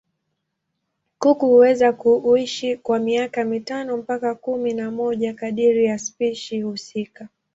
Kuku huweza kuishi kwa miaka mitano mpaka kumi na moja kadiri ya spishi husika.